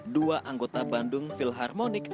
dua anggota bandung philharmonic